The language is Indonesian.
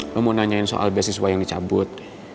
kamu mau nanyain soal beasiswa yang dicabut